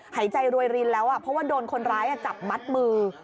หายใจรวยรินแล้วด้วยคนร้ายจับมาตรมือ